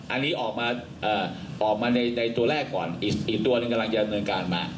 อันนี้ออกมาในตัวแรกก่อนอีกตัวหนึ่งกำลังจะดำเนินการมา